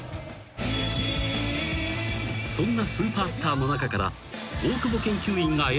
［そんなスーパースターの中から］